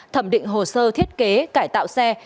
thẩm định hồ sơ thiết kế cải tạo xe